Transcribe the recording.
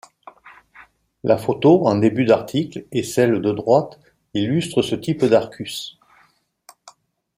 La photo en début d'article et celle de droite illustrent ce type d'arcus.